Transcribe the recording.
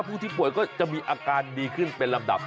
ผู้ที่ป่วยก็จะมีอาการดีขึ้นเป็นลำดับ